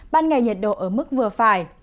ban ngày nhiệt độ ở mức vừa phải